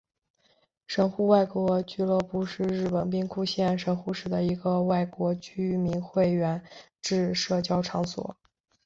神户外国俱乐部是日本兵库县神户市的一个外国居民会员制社交场所。